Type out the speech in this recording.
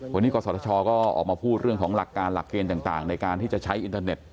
วันนี้กศชก็ออกมาพูดเรื่องของหลักการหลักเกณฑ์ต่างในการที่จะใช้อินเทอร์เน็ต